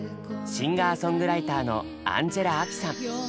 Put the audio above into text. シンガーソングライターのアンジェラ・アキさん。